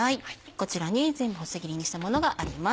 こちらに全部細切りにしたものがあります。